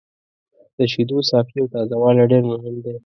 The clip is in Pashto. د شیدو صافي او تازه والی ډېر مهم دی.